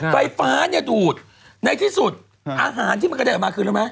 ไฟฟ้าเนี่ยดูดในที่สุดอาหารที่มันกระเด็นออกมาคือรู้ไหม